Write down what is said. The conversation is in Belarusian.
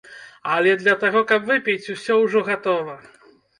Але для таго, каб выпіць, усё ўжо гатова.